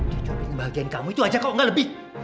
dia coba ngebahagiain kamu itu aja kok gak lebih